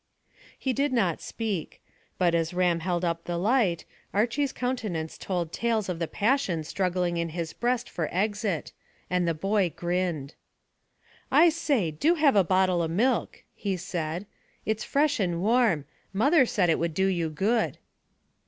He did not speak, but as Ram held up the light, Archy's countenance told tales of the passion struggling in his breast for exit, and the boy grinned. "I say, do have a bottle o' milk," he said; "it's fresh and warm. Mother said it would do you good."